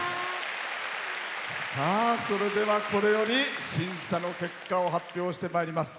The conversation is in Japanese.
それでは、これより審査の結果を発表してまいります。